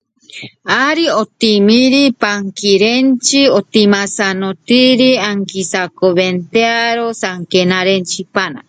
Allí fomenta la agricultura sostenible y la lucha contra la desertificación.